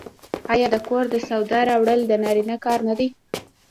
آیا د کور د سودا راوړل د نارینه کار نه دی؟